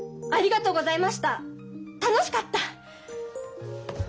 楽しかった。